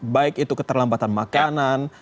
baik itu keterlambatan makanan